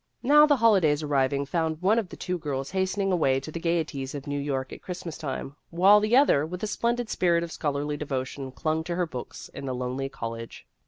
Now the holidays arriving found one of the two girls hastening away to the gaieties of New York at Christmas time, while the other with a splendid spirit of scholarly devotion clung to her books in the lonely college.